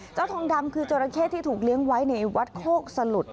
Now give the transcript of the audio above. ทองดำคือจราเข้ที่ถูกเลี้ยงไว้ในวัดโคกสลุด